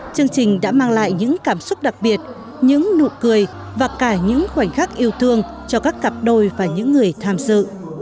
chương trình đã mang lại những cảm xúc đặc biệt những nụ cười và cả những khoảnh khắc yêu thương cho các cặp đôi và những người tham dự